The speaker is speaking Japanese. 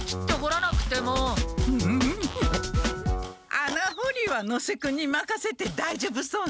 穴掘りは能勢君にまかせてだいじょうぶそうね。